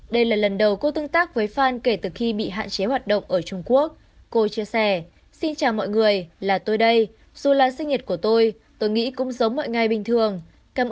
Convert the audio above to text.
đây là lần đầu cô tương tác với fan kể từ khi bị hạn chế hoạt động ở trung quốc